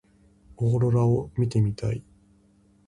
オーロラ見てみたい。